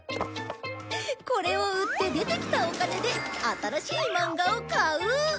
これを売って出てきたお金で新しいマンガを買う！